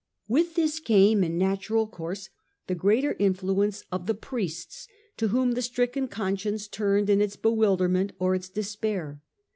With this came in natural course the greater influence of the priests, to whom the stricken conscience turned in its bewilderment or its despair.